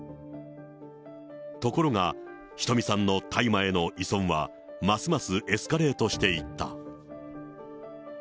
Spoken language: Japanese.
ところが、ひとみさんの大麻への依存は、ますますエスカレートしていった。